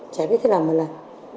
chả biết thế nào mà làm